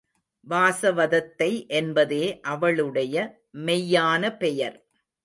வாசவதத்தை என்பதே அவளுடைய மெய்யான பெயர்!